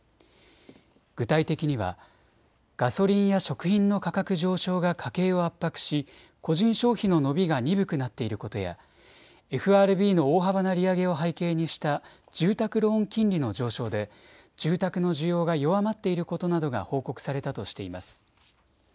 具体的には、ガソリンや食品の価格上昇が家計を圧迫し個人消費の伸びが鈍くなっていることや、ＦＲＢの大幅な利上げを背景にした住宅ローン金利の上昇で住宅の需要が弱まっていることなどが報告されたとしています。